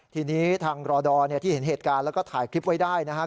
ทีนี้ทางรอดอที่เห็นเหตุการณ์แล้วก็ถ่ายคลิปไว้ได้นะครับ